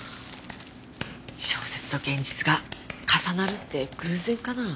小説と現実が重なるって偶然かな？